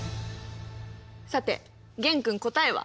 さて玄君答えは？